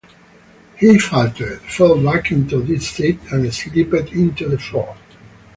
He faltered, fell back into his seat and slipped onto the floor.